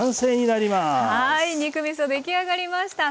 はい肉みそ出来上がりました。